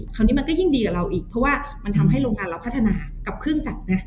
มันก็ยิ่งดีกว่าเราอีกเพราะว่ามันทำให้โรงงานเราพัฒนากับเครื่องจักรไง